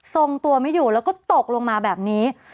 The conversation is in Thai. ทรงตัวไม่อยู่แล้วก็ตกลงมาแบบนี้